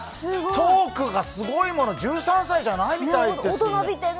トークがすごいもの、１３歳じゃないみたいですよ。